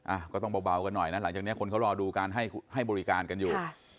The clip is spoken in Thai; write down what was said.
อ่ะก็ต้องเบากันหน่อยนะหลังจากนี้คนเขารอดูการให้ให้บริการกันอยู่